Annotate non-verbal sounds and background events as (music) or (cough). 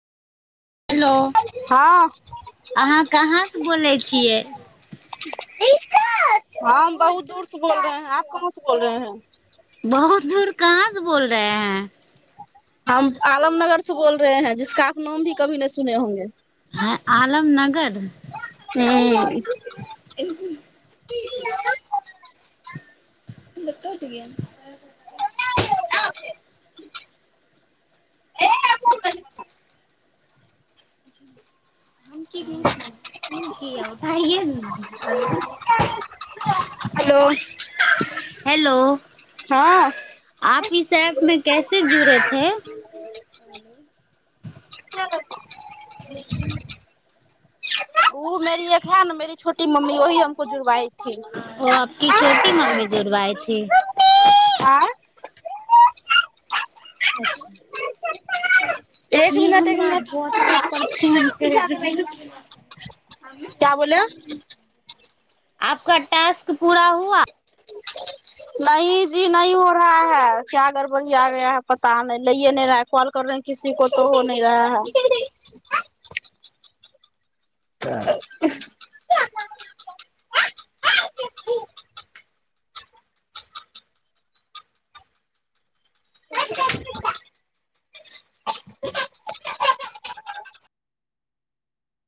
Hello हाँ अहाँ कहाँसँ बोलै छियै (unintelligible) हम बहुत दूर से बोल रहे हैं आप कहन से बोल रहे हैं (unintelligible) ब (unintelligible) हुत दूर कहाँ से बोल रहे हैं (unintelligible) हँ (unintelligible) हम आलमनगर से बोल रहे हैं जिसक आ नाम भी कभी न सुने हंगे (unintelligible) हँ आलमनगर हुँ इनकु (unintelligible) म क ओटिक (unintelligible) ए (unintelligible) हम की भेल छो त किी आ ओठइये ने (unintelligible) (unintelligible) हेलो हेलो हाँ आप इस ऐप में कैसे जड़त हैं (unintelligible) (inaudible) ओ मेरी एक है न मेरी छोटी मम्मी वही हमको जुड़बाई ओ आपकी छोटी मम्मी जुड़वईथी आँ अच्छा एक की मिनट एक हमरा मिनट व्हाट्सऐप पर फोन कर रहे। क्य बोल आपका टाास्क पूरा हुआ न जी नहि हो रहा है क्या गड़बड़िया गया है पता नहि लैयए नहि रहा है कॉल कर रहे है किसी को तो हो न रहा है (unintelligible) (unintelligible)